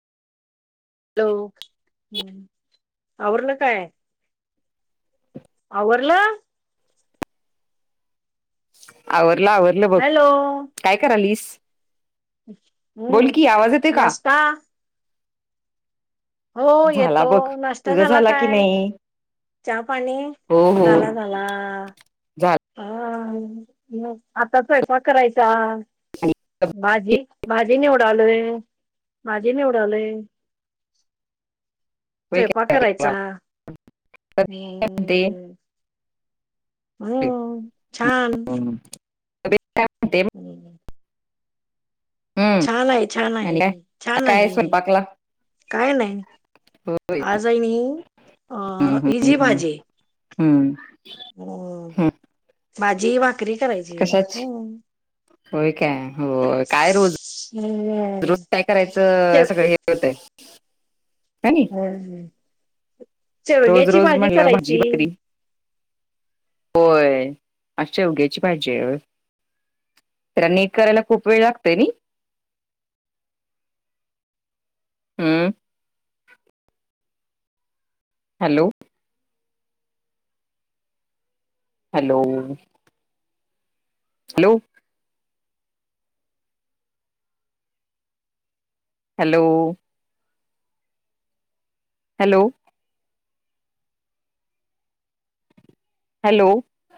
Hello आवरल काय? आवरल आवर पल आवरलं बघ, हॅलो काय करालीस? बोल हम्म की आवाज येते का नष्टा हो झाला येतो. बघ नाष्ट्ता तुझा झाला की काय? नाही चहा, पाणी हो हो झाला झाला झाला अअ हा म आता स्वयंपाक करायचा. भाजी भाजी निवड चालू हाय भाजी निवडालय. स्वयंपाक करायचा म्हणते हो छान [unintelligible] हम्म हम्म छान आहे, छान आणि काय आहे, छान काय आहे, स्वयंपाकला काय नाही होय आज हेणी हम्म हम्म इजी हम्म भाजी हम्म हो हम्म भाजी भाकरी करायचीय हो कशाची होय. क्या हो काय रोज हम्म रोज काय करायचं? शेव सगळं हे होतय [inaudible] [unintelligible] रोज शेवग्याची रोज भाजी म्हणलं करायची. भाकरी होय आज शेवग्याची भाजी होय. तनी करायला खूप वेळ लागतय नई. हम् hello hello hello hello hello hello